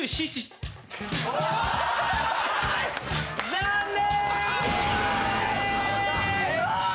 残念！